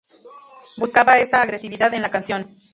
Buscaba esa agresividad en la canción"".